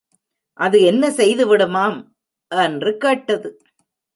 அது என்ன செய்துவிடுமாம்? என்று கேட்டது.